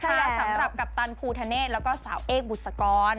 สำหรับกัปตันภูทะเนศแล้วก็สาวเอกบุษกร